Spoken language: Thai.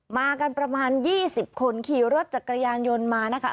มากันประมาณ๒๐คนขี่รถจักรยานยนต์มานะคะ